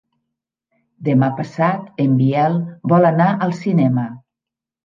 Demà passat en Biel vol anar al cinema.